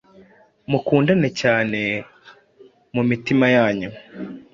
mukundane cyane mu mitima yanyu